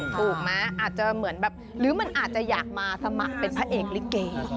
ถูกมั้ยหรือมันอาจจะอยากมาสมัครเป็นพระเอกริเกย์